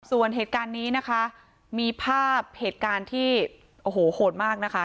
ส่วนเหตุการณ์นี้นะคะมีภาพเหตุการณ์ที่โอ้โหโหดมากนะคะ